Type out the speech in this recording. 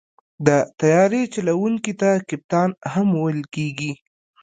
د طیارې چلوونکي ته کپتان هم ویل کېږي.